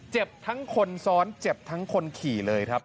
เจ็บทั้งคนซ้อนเจ็บทั้งคนขี่เลยครับ